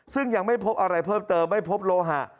ซึ่งยังไม่พบอะไรเพิ่มเติมไม่พบโลหะ